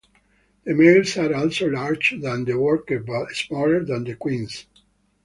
The males are also larger than the workers but smaller than the queens.